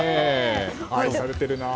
愛されてるな。